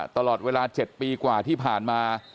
ตลอดเวลา๗ปีกว่าที่ผ่านมา